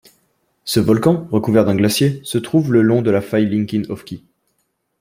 Ce volcan, recouvert d'un glacier, se trouve le long de la faille Liquiñe-Ofqui.